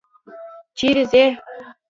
چیري ځې؟